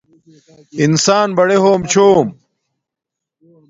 انسان بڑے ہوم چھوم